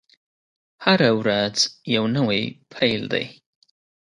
هره ورځ يو نوی پيل دی.